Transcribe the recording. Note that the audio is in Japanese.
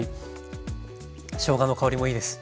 しょうがの香りもいいです。